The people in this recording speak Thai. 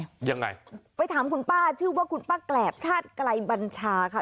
ยังไงไปถามคุณป้าชื่อว่าคุณป้าแกรบชาติไกลบัญชาค่ะ